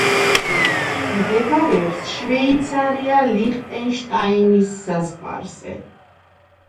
მდებარეობს შვეიცარია–ლიხტენშტაინის საზღვარზე.